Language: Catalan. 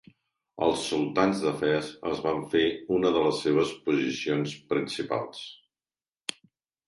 Els sultans de Fes en van fer una de les seves posicions principals.